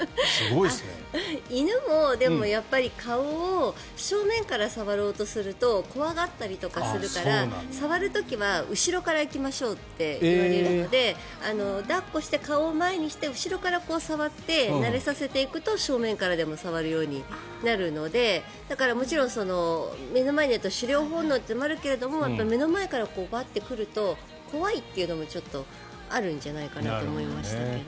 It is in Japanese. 犬も顔を正面から触ろうとすると怖がったりとかするから触る時は後ろから行きましょうって言われるので抱っこして顔を前にして後ろから触って慣れさせていくと正面からも触れるようになるのでもちろん目の前にあると狩猟本能というのもあるけれど目の前からバッと来ると怖いというのもちょっとあるんじゃないかなと思いましたけどね。